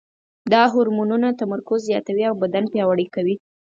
دا هورمونونه تمرکز زیاتوي او بدن پیاوړی کوي.